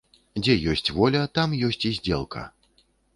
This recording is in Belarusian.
Дзе ёсць воля, там ёсць і здзелка.